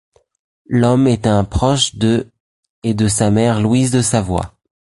L'homme est un proche de et de sa mère Louise de Savoie.